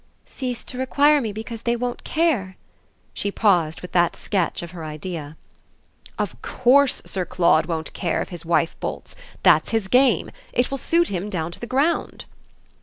"Cease to require me because they won't care?" She paused with that sketch of her idea. "OF COURSE Sir Claude won't care if his wife bolts. That's his game. It will suit him down to the ground."